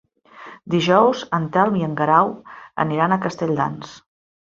Dijous en Telm i en Guerau aniran a Castelldans.